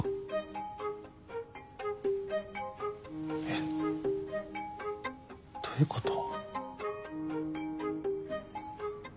えどういうこと？